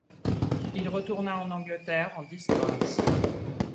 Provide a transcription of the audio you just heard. Il retourna en Angleterre en disgrâce.